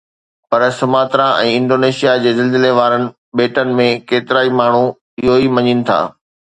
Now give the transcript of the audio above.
پر Sumatra ۽ Indonesia جي زلزلي وارن ٻيٽن ۾ ڪيترائي ماڻھو اھو ئي مڃين ٿا